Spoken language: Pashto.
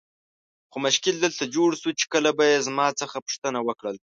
خو مشکل دلته جوړ سو چې کله به یې زما څخه پوښتنه وکړل.